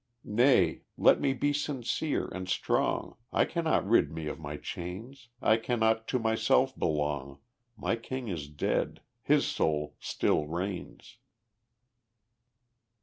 Nay, let me be sincere and strong; I cannot rid me of my chains, I cannot to myself belong, My King is dead his soul still reigns.